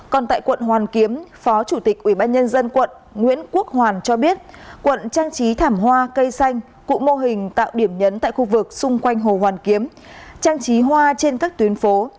còn tại quận hoàn kiếm phó chủ tịch ubnd quận nguyễn quốc hoàn cho biết quận trang trí thảm hoa cây xanh cụm mô hình tạo điểm nhấn tại khu vực xung quanh hồ hoàn kiếm trang trí hoa trên các tuyến phố